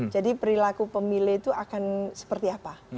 jadi perilaku pemilih itu akan seperti apa